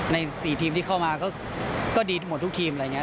ใน๔ทีมที่เข้ามาก็ดีหมดทุกทีมอะไรอย่างนี้